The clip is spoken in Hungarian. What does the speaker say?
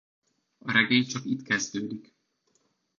A regény csak itt kezdődik.